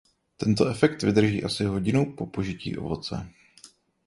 Tento efekt vydrží asi hodinu po požití ovoce.